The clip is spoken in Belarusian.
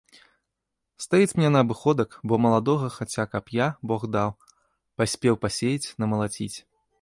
Стаіць мне на абыходак, бо маладога хаця каб я, бог даў, паспеў пасеяць, намалаціць.